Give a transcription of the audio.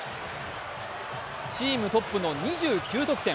チームトップの２９得点。